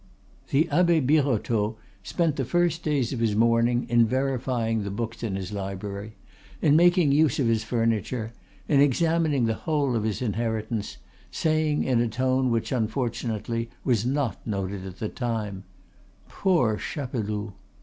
The Abbe Birotteau spent the first days of his mourning in verifying the books in his library, in making use of his furniture, in examining the whole of his inheritance, saying in a tone which, unfortunately, was not noted at the time, "Poor Chapeloud!"